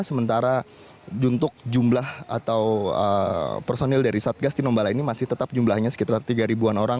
sementara untuk jumlah atau personil dari satgas tinombala ini masih tetap jumlahnya sekitar tiga ribuan orang